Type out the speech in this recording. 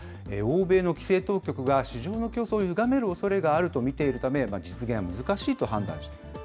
欧米の規制当局が、市場の競争をゆがめるおそれがあると見ているため、実現が難しいと判断しました。